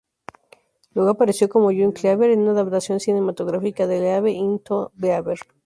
Luego apareció como June Cleaver en una adaptación cinematográfica de "Leave it to Beaver".